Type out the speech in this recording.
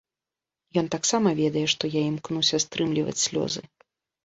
Ён таксама ведае, што я імкнуся стрымліваць слёзы.